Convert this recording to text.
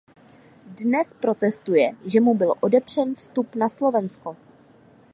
Dnes protestuje, že mu byl odepřen vstup na Slovensko.